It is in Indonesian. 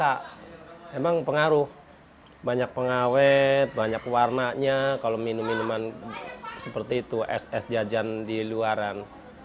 ya memang pengaruh banyak pengawet banyak warnanya kalau minum minuman seperti itu es es jajan di luaran